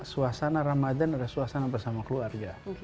suasana ramadhan ada suasana bersama keluarga